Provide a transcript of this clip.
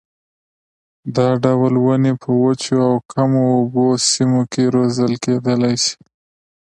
دا ډول ونې په وچو او کمو اوبو سیمو کې روزل کېدلای شي.